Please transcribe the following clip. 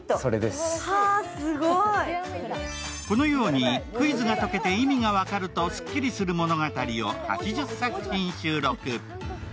このようにクイズが解けて意味が分かるとスッキリする物語を８０作品収録。